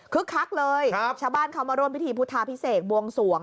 คักเลยชาวบ้านเขามาร่วมพิธีพุทธาพิเศษบวงสวง